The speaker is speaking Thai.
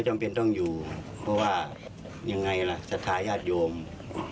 จำเป็นต้องอยู่เพราะว่ายังไงล่ะศรัทธาญาติโยม